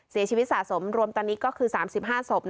เสียชีวิตสะสมรวมตอนนี้ก็คือ๓๕ศพ